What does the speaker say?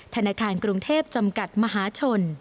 ธนาคารกรุงเทพจำกัดมหาชน